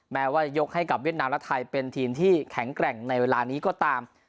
แม้ว่ายกให้กับเวียดนามและไทยเป็นทีมที่แข็งแกร่งในเวลานี้ก็ตาม